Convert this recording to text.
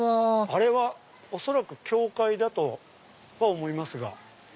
あれは恐らく教会だとは思いますが。